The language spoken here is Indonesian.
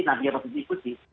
nabi yang harus diikuti